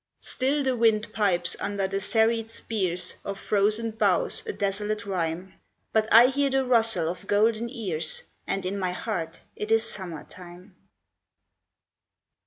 Still the wind pipes under the serried spears Of frozen boughs a desolate rhyme, But I hear the rustle of golden ears, And in my heart it is summer time.